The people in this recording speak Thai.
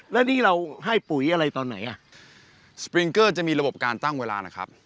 แล้วนี่เราให้ปุ๋ยอะไรตอนไหนอ่ะสปริงเกอร์จะมีระบบการตั้งเวลานะครับ